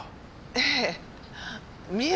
ええ。